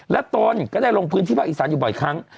และตนก็ได้ลงพื้นที่ภาคอีสานอยู่บ่อยครั้ง